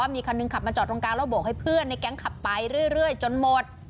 มีแค่นึงมีขางมาจอดตรงกลางแล้วบอกให้เพื่อนได้การขับไปเรื่อยจนหมด